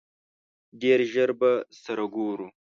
ډېر ژر به سره ګورو!